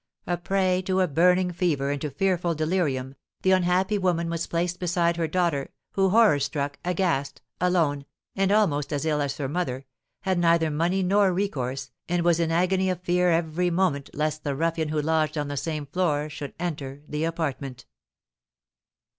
A prey to a burning fever and to fearful delirium, the unhappy woman was placed beside her daughter, who, horror struck, aghast, alone, and almost as ill as her mother, had neither money nor recourse, and was in an agony of fear every moment lest the ruffian who lodged on the same floor should enter the apartment.